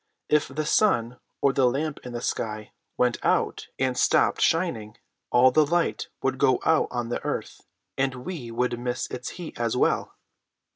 If the sun, or the lamp in the sky, went out and stopped shining, all the light would go out on the earth, and we would miss its heat as well.